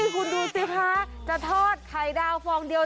คุณดูสิคะจะทอดไข่ดาวฟองเดียว